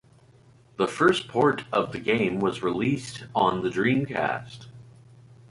The first port of the game was released on the Dreamcast.